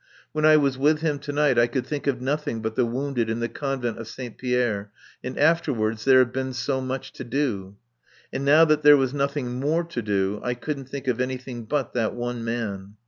When I was with him to night I could think of nothing but the wounded in the Couvent de Saint Pierre. And afterwards there had been so much to do. And now that there was nothing more to do, I couldn't think of anything but that one man.